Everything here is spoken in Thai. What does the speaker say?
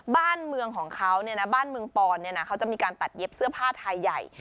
บ้านเมืองของเขาบ้านเมืองปอนเขาจะมีการตัดเย็บเสื้อผ้าไทยใหญ่